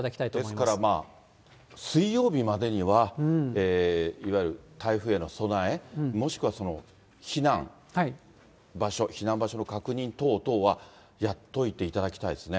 ですから、水曜日までには、いわゆる台風への備え、もしくは避難場所の確認等々は、やっといていただきたいですね。